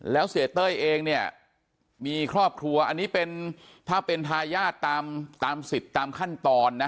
แล้วเสียเต้ยเองเนี่ยมีครอบครัวอันนี้เป็นถ้าเป็นทายาทตามสิทธิ์ตามขั้นตอนนะ